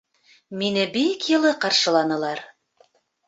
Мине бик йылы ҡаршыланылар